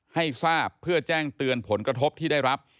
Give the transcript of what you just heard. ให้ทราบเพื่อแจ้งเตือนผลกระทบที่ได้รับ